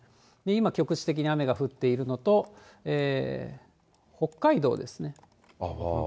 今、局地的に雨が降っているのと、北海道ですね。